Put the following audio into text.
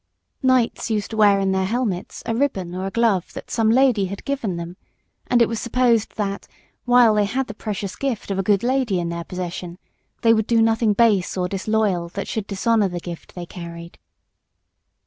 Knights used to wear in their helmets a ribbon or a glove that some lady had given them, and it was supposed that, while they had the precious gift of a good lady in their possession, they would do nothing base or disloyal that should dishonour the gift they carried.